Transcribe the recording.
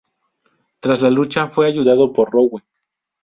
Tras la lucha, fue ayudado por Rowe.